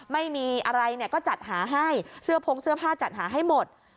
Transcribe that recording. ไม่มีอะไรเนี่ยก็จัดหาให้เสื้อพงเสื้อผ้าจัดหาให้หมด